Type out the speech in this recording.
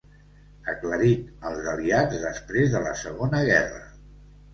Aclarit als aliats després de la segona guerra.